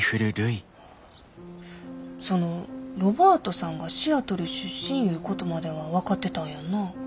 そのロバートさんがシアトル出身いうことまでは分かってたんやんな？